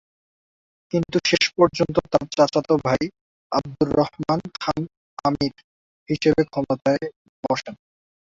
কিন্তু শেষপর্যন্ত তার চাচাত ভাই আবদুর রহমান খান আমির হিসেবে ক্ষমতায় বসেন।